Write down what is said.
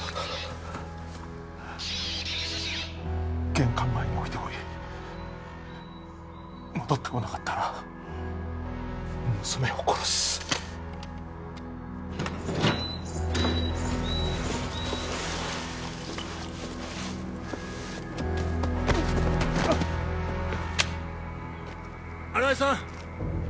玄関前に置いてこい戻ってこなかったら娘を殺す新井さん！